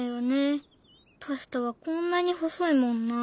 パスタはこんなに細いもんな。